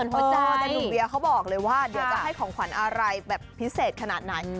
พอเจอแต่หนุ่มเวียเขาบอกเลยว่าเดี๋ยวจะให้ของขวัญอะไรแบบพิเศษขนาดไหน